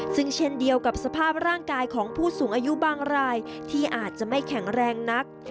ซึ่งเช่นเดียวกับสภาพร่างกายของผู้สูงอายุบางรายที่อาจจะไม่แข็งแรงนัก